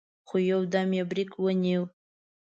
خو يودم يې برېک ونيو.